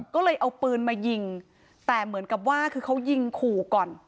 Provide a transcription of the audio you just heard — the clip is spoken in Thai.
ก็เลยเอาปืนมายิงแต่เหมือนกับว่าคือเขายิงขู่ก่อน